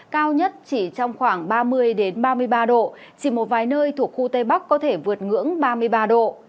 cao nhất chỉ trong khoảng ba mươi ba mươi ba độ chỉ một vài nơi thuộc khu tây bắc có thể vượt ngưỡng ba mươi ba độ